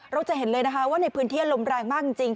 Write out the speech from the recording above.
เราจะเห็นเลยนะคะว่าในพื้นที่ลมแรงมากจริง